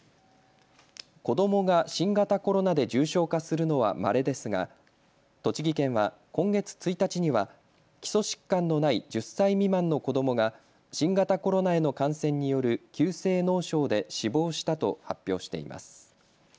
子どもが新型コロナで重症化するのは、まれですが栃木県は今月１日には基礎疾患のない１０歳未満の子どもが新型コロナへの感染による急性脳症で死亡したと発表しています。